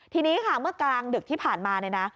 ทีนี้ค่ะเมื่อกลางดึกที่ผ่านมาเนี่ยนะ